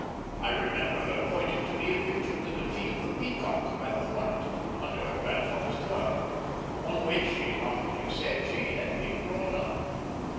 I remember her pointing to me a picture of the defeat of the Peacock, by the Hornet, under her grandfather's command; on which, she laughingly said, she had been brought up.